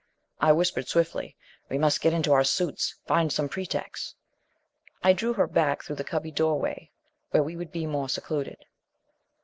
I whispered swiftly, "We must get into our suits find some pretext." I drew her back through the cubby doorway where we would be more secluded.